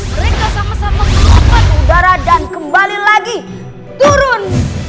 mereka sama sama beropan udara dan kembali lagi turun